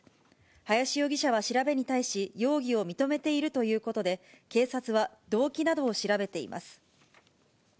林容疑者は調べに対し、容疑を認めているということで、警察は動機などを調べています。